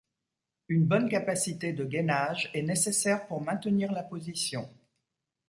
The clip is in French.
Une bonne capacité de gainage est nécessaire pour maintenir la position.